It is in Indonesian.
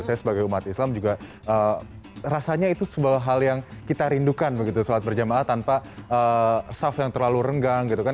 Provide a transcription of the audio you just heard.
saya sebagai umat islam juga rasanya itu sebuah hal yang kita rindukan begitu sholat berjamaah tanpa saf yang terlalu renggang gitu kan